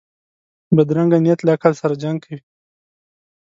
بدرنګه نیت له عقل سره جنګ کوي